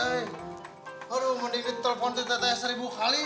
aduh mending ditelpon teh teh teh seribu kali